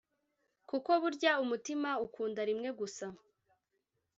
kuko burya umutima ukunda rimwe gusa